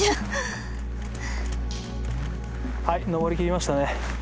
はい登りきりましたね。